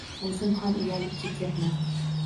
Oʻzim ham uyalib ketyapman